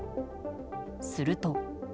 すると。